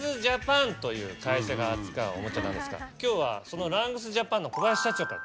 今日はそのラングスジャパンの小林社長から。